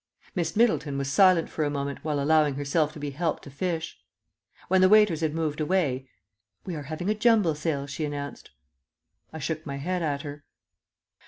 Miss Middleton was silent for a moment while allowing herself to be helped to fish. When the waiters had moved away, "We are having a jumble sale," she announced. I shook my head at her.